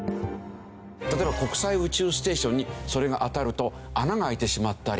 例えば国際宇宙ステーションにそれが当たると穴が開いてしまったり。